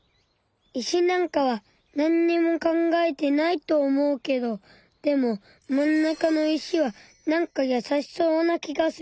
石なんかはなんにも考えてないと思うけどでも真ん中の石はなんか優しそうな気がする。